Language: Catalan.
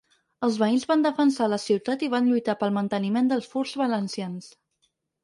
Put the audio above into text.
Els veïns van defensar la ciutat i van lluitar pel manteniment dels furs valencians.